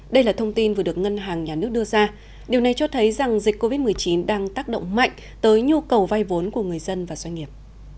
đây là thông tin vừa được ngân hàng nhà nước đưa ra điều này cho thấy rằng dịch covid một mươi chín đang tác động mạnh tới nhu cầu vay vốn của người dân và doanh nghiệp